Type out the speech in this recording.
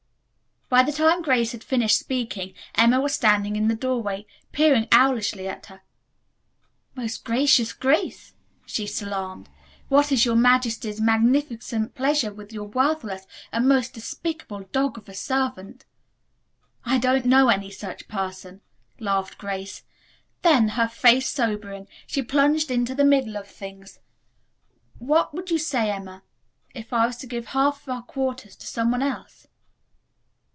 By the time Grace had finished speaking Emma was standing in the doorway, peering owlishly at her. "Most Gracious Grace," she salaamed, "what is your majesty's magnificent pleasure with your worthless and most despicable dog of a servant?" "I don't know any such person," laughed Grace. Then, her face sobering, she plunged into the middle of things with, "What would you say, Emma, if I were to give half of our quarters to some one else?"